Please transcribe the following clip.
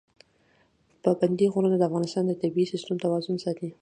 پابندی غرونه د افغانستان د طبعي سیسټم توازن ساتي.